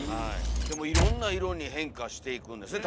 でもいろんな色に変化していくんですね